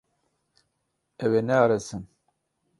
Ew ê nearêsin.